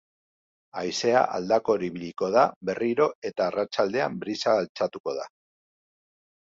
Haizea aldakor ibiliko da berriro eta arratsaldean brisa altxatuko da.